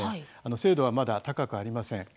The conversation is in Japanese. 精度はまだ高くありません。